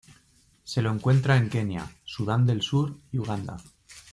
Se lo encuentra en Kenia, Sudán del sur, y Uganda.